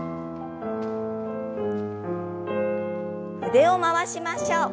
腕を回しましょう。